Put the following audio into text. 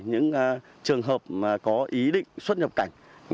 những trường hợp có ý định xuất nhập cảnh